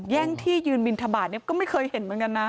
แย่งที่ยืนบินทบาทเนี่ยก็ไม่เคยเห็นเหมือนกันนะ